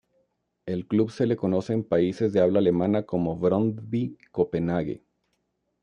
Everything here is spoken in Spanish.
El club se le conoce en países de habla alemana como Brøndby Copenhague.